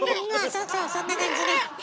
そうそうそんな感じだった！